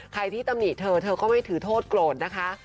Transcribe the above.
ที่ตำหนิเธอเธอก็ไม่ถือโทษโกรธนะคะ